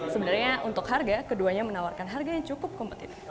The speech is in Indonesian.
sebenarnya untuk harga keduanya menawarkan harga yang cukup kompetitif